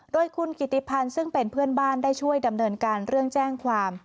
โดยคุณกิติพันธ์ซึ่งเป็นเพื่อนบ้านได้ช่วยดำเนินการเรื่องแจ้งความ